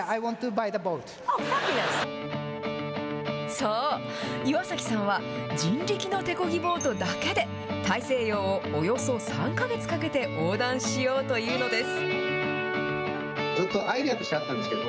そう、岩崎さんは、人力の手こぎボートだけで、大西洋をおよそ３か月かけて横断しようというのです。